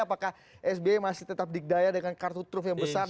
apakah sby masih tetap dikdaya dengan kartu truf yang besar